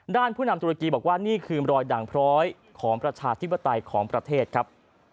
ผู้นำตุรกีบอกว่านี่คือรอยด่างพร้อยของประชาธิปไตยของประเทศครับ